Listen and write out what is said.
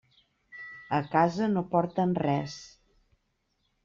A casa no porten res.